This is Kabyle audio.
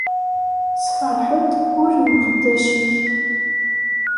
Ssefreḥ-d ul n uqeddac-ik.